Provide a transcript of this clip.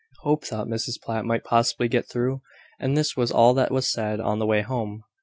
Hope thought Mrs Platt might possibly get through: and this was all that was said on the way home.